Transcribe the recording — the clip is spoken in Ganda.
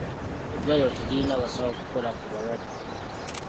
Eddwaliro teririna basawo kukola ku balwadde.